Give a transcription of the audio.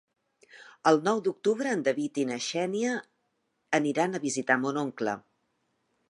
El nou d'octubre en David i na Xènia aniran a visitar mon oncle.